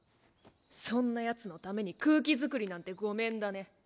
そんなヤツのために空気づくりなんてごめんだね。